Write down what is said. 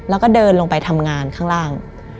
แล้วก็เดินลงไปทำงานข้างล่าง